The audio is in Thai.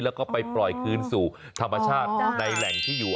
แล้วก็ไปปล่อยคืนสู่ธรรมชาติในแหล่งที่อยู่